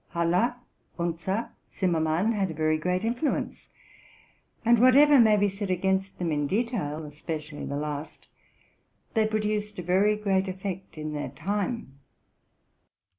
Haller, Unzer, Zimmerman, had a very great influence ; and whatever may be said against them in detail, especially the last, they produced a very great effect in their time.